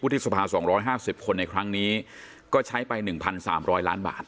วุฒิสภาสองร้อยห้าสิบคนในครั้งนี้ก็ใช้ไปหนึ่งพันสามร้อยล้านบาท